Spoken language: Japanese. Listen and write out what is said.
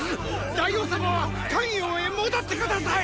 大王様は咸陽へ戻って下さい！